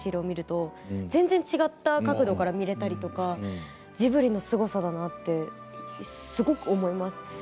見ると違った角度から見られたりとかジブリのすごさだなってすごく思います。